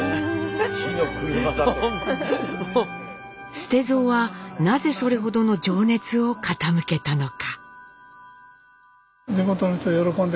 捨蔵はなぜそれほどの情熱を傾けたのか。